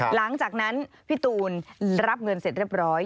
หลังจากนั้นพี่ตูนรับเงินเสร็จเรียบร้อย